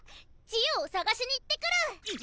ジオを捜しに行ってくる！